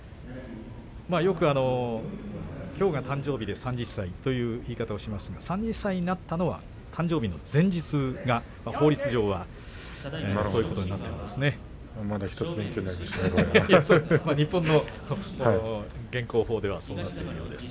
よく、きょうが誕生日で３０歳という言い方をしますが３０歳になったのは誕生日の前日というのが、法律上また１つ勉強になりました。